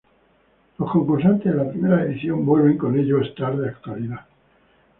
Los concursantes de la primera edición vuelven con ello a estar de actualidad.